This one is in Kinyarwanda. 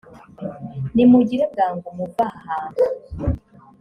nimugire bwangu muve aha hantu